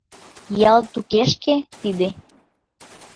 Ялт укешке?» «Тиде